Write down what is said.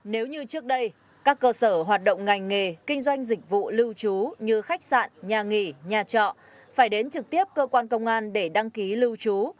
nếu như trước đây các cơ sở hoạt động ngành nghề kinh doanh dịch vụ lưu trú như khách sạn nhà nghỉ nhà trọ phải đến trực tiếp cơ quan công an để đăng ký lưu trú